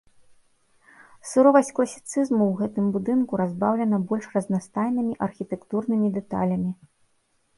Суровасць класіцызму ў гэтым будынку разбаўлена больш разнастайнымі архітэктурнымі дэталямі.